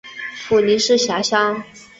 普宁市辖乡。